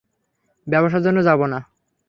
ব্যবসার জন্য যাবো না।